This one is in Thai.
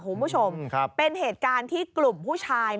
คุณผู้ชมเป็นเหตุการณ์ที่กลุ่มผู้ชาย